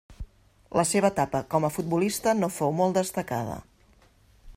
La seva etapa com a futbolista no fou molt destacada.